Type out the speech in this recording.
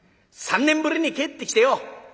３年ぶりに帰ってきてよ